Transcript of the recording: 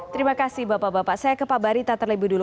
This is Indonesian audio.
terima kasih bapak bapak saya ke pak barita terlebih dulu